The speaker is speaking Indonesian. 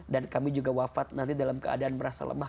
kami juga wafat nanti dalam keadaan merasa lemah